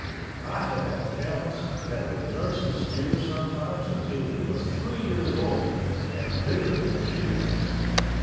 I have had cows that would nurse a steer sometimes until he was three years old and bigger than she was.